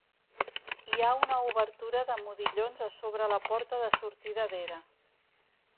Hi ha una obertura de modillons a sobre la porta de sortida d'era.